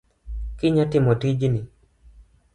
Kinya timo tijni.